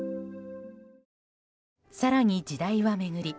更に、時代は巡り